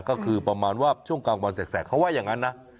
ก็คือประมาณว่าช่วงกลางวันแสกเขาว่าอย่างนั้นนะ